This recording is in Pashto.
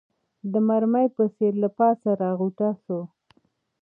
د مرمۍ په څېر له پاسه راغوټه سو